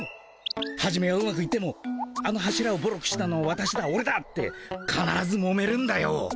はじめはうまくいってもあの柱をボロくしたのはわたしだオレだってかならずもめるんだよ。